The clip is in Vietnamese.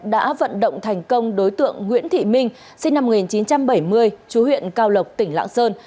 đã vận động thành công đối tượng nguyễn thị minh sinh năm một nghìn chín trăm bảy mươi chú huyện cao lộc tỉnh lạng sơn